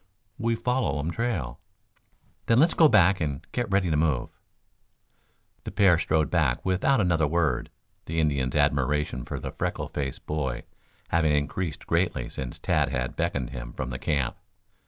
"We follow um trail." "Then let's go back and get ready to move." The pair strode back without another word, the Indian's admiration for the freckle faced boy having increased greatly since Tad had beckoned him from the camp.